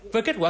với kết quả